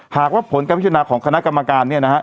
หากว่าผลคำพิจารณาของคณะกรรมการ